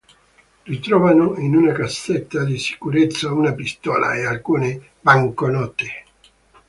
Ritrovano in una cassetta di sicurezza una pistola e alcune banconote.